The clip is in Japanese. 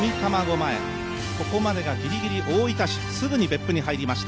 前、ここまでがぎりぎり大分市、すぐに別府に入りました、